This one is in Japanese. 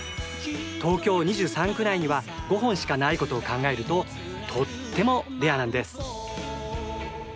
東京２３区内には５本しかないことを考えるととってもレアなんです！